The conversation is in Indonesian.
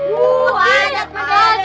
waduh ajat aku gede